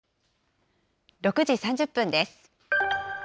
６時３０分です。